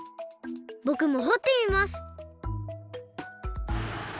ぼくもほってみます！